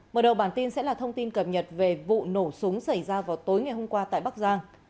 mở đầu bản tin sẽ là thông tin cập nhật về vụ nổ súng xảy ra vào tối ngày hôm qua tại bắc giang